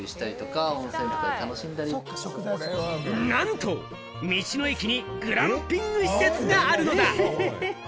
なんと道の駅にグランピング施設があるのだ！